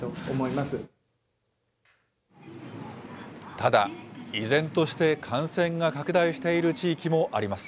ただ、依然として感染が拡大している地域もあります。